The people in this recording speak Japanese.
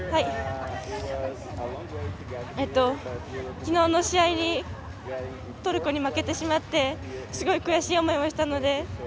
きのうの試合にトルコに負けてしまってすごい悔しい思いをしたので。